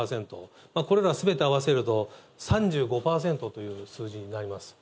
これらすべて合わせると、３５％という数字になります。